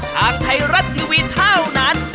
ทางไทยรัฐทีวีเท่านั้น